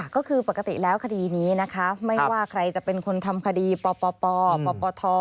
ก็คือปกติแล้วคดีนี้นะคะไม่ว่าใครจะเป็นคนทำคดีปปท